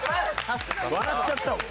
笑っちゃったもん。